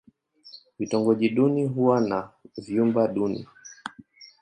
Vitongoji duni huwa na vyumba duni.